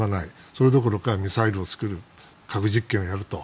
それどころかミサイルを作る核実験をやると。